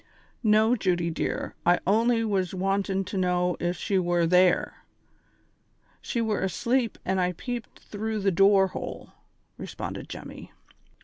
"Xo, Judy dear, I only was wantin' to know if she were there. Slie were asleep when I peeped through the door hole," responded Jemmy.